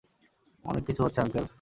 অনেক কিছু হচ্ছে আঙ্কেল।